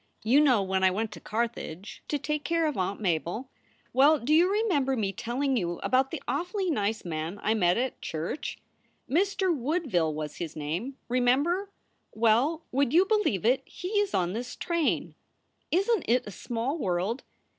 You know when I went to Carthage to take care of Aunt Mabel? Well, do you remember me telling you about the awfully nice man I met at church? Mr. Woodville was his name. Remember? Well, would you believe it, he is on this train! Isn t it a small world!